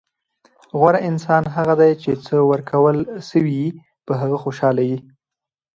غوره انسان هغه دئ، چي څه ورکول سوي يي؛ په هغه خوشحال يي.